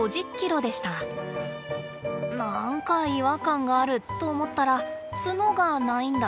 なんか違和感があると思ったら角がないんだ。